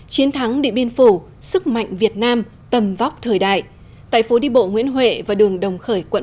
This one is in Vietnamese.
chiến thắng điện biên phủ sức mạnh việt nam tầm vóc thời đại tại phố đi bộ nguyễn huệ và đường đồng khởi quận một